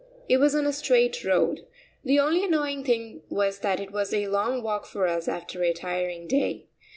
It was on a straight road. The only annoying thing was that it was a long walk for us after a tiring day.